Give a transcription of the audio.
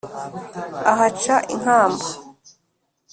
ahaca inkamba.